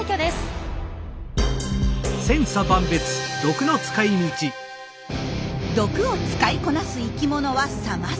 毒を使いこなす生きものはさまざま。